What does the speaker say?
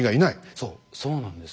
そうそうなんです。